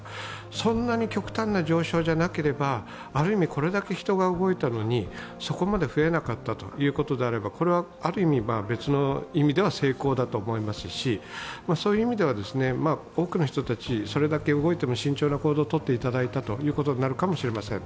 そんなに極端な上昇じゃなければある意味これだけ人が動いたのにそこまで増えなかったということであれば別の意味では成功だと思いますし、そういう意味では多くの人たちそれだけ動いても慎重な行動をとっていただいたということになるかもしれません。